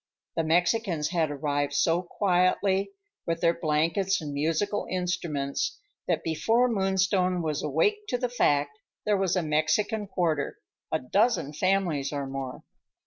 The Mexicans had arrived so quietly, with their blankets and musical instruments, that before Moonstone was awake to the fact, there was a Mexican quarter; a dozen families or more.